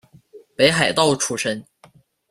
北海道出身。